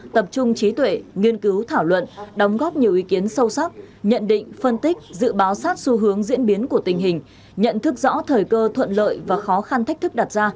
tập trung trí tuệ nghiên cứu thảo luận đóng góp nhiều ý kiến sâu sắc nhận định phân tích dự báo sát xu hướng diễn biến của tình hình nhận thức rõ thời cơ thuận lợi và khó khăn thách thức đặt ra